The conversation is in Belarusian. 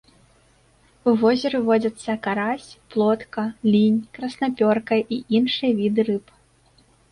У возеры водзяцца карась, плотка, лінь, краснапёрка і іншыя віды рыб.